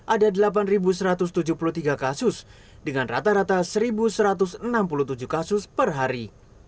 ada delapan satu ratus tujuh puluh tiga kasus dengan rata rata satu satu ratus enam puluh tujuh kasus per hari